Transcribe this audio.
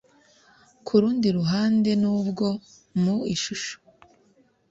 Ku rundi ruhande nubwo mu ishusho